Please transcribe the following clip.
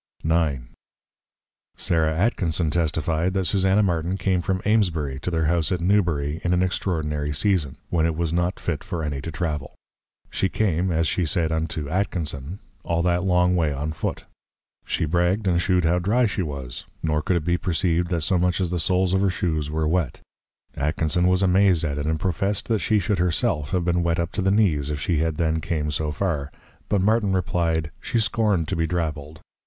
IX. Sarah Atkinson testify'd, That Susanna Martin came from Amesbury to their House at Newbury, in an extraordinary Season, when it was not fit for any to Travel. She came (as she said, unto Atkinson) all that long way on Foot. She brag'd and shew'd how dry she was; nor could it be perceived that so much as the Soles of her Shoes were wet. Atkinson was amazed at it; and professed, that she should her self have been wet up to the knees, if she had then came so far; but Martin reply'd, _She scorn'd to be Drabbled!